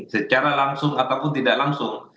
secara langsung ataupun tidak langsung